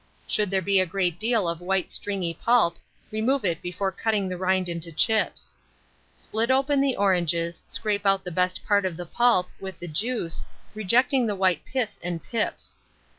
Should there be a great deal of white stringy pulp, remove it before cutting the rind into chips. Split open the oranges, scrape out the best part of the pulp, with the juice, rejecting the white pith and pips.